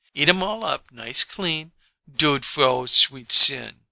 "Eat um all up nice clean. Dood for ole sweet sin!"